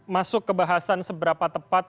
masuk ke bahasan seberapa tepat